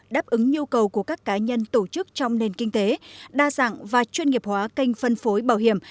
đáp ứng nhu cầu của các cá nhân tổ chức trong nền kinh tế đa dạng và chuyên nghiệp hóa kênh phân phối bảo hiểm